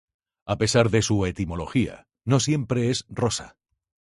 A pesar de su etimología, no siempre es rosa.